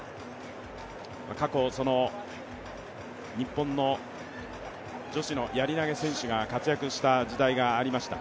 過去日本の女子のやり投選手が活躍した時代がありました。